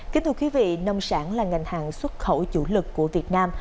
kính thưa quý vị nông sản là ngành hàng xuất khẩu chủ lực của việt nam